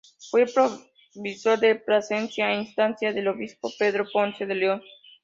Fue provisor de Plasencia a instancia del obispo Pedro Ponce de León.